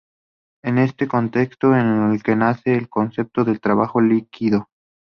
Es en este contexto en el que nace el concepto de trabajo líquido.